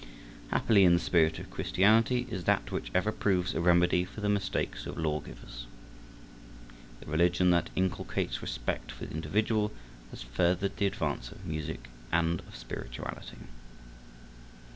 Happily in the spirit of Christianity is that which ever proves a remedy for the mistakes of law givers. The religion that inculcates respect for the individual has furthered the advance of music and of spirituality.